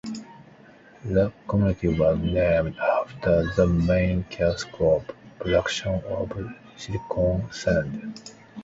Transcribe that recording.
The community was named after the main cash crop production of silicon sand.